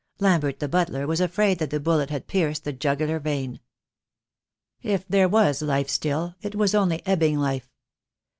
Lambert, the butler, wTas afraid that the bullet had pierced the jugular vein. If there was life still, it was only ebbing life.